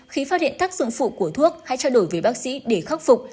khi phát hiện tác dụng phụ của thuốc hãy trao đổi với bác sĩ để khắc phục